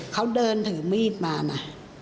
เขาเดินถือมีดมานะ